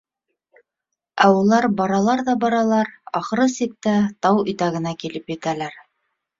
Ә улар баралар ҙа баралар, ахыр сиктә, тау итәгенә килеп етәләр.